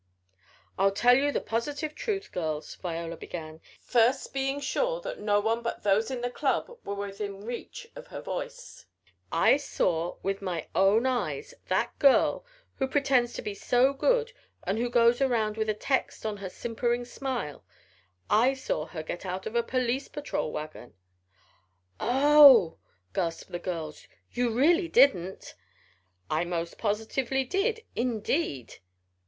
"I'll tell you the positive truth, girls," Viola began, first being sure that no one but those in the "club" were within reach of her voice, "I saw, with my own eyes, that girl, who pretends to be so good and who goes around with a text on her simpering smile I saw her get out of a police patrol wagon!" "Oh!" gasped the girls. "You really didn't." "I most positively did. Indeed!"